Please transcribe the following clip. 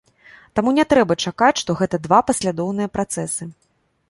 Таму не трэба чакаць, што гэта два паслядоўныя працэсы.